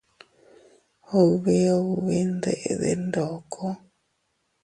Ubi ubi ndede ndoko.